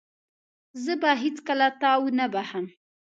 زه به هيڅکله تا ونه بخښم.